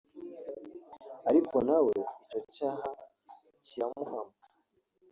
ariko nawe icyo cyaha kiramuhama